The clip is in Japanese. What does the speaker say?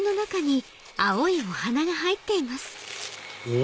お！